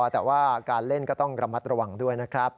แต่ว่าการเล่นก็ต้องระมัดระวังด้วยนะครับ